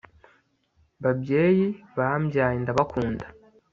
babyeyi bambyaye ndabakunda